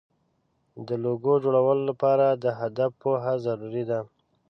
د لوګو جوړولو لپاره د هدف پوهه ضروري ده.